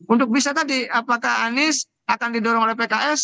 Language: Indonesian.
untuk bisa tadi apakah anies akan didorong oleh pks